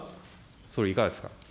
総理、いかがですか。